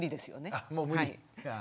あもう無理。